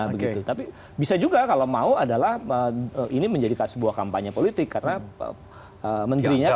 begitu tapi bisa juga kalau mau adalah ini menjadi sebuah kampanye politik karena menterinya